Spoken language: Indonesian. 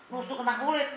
nusuk kentang kulit